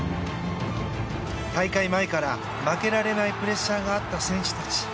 大会前から負けられないプレッシャーがあった選手たち。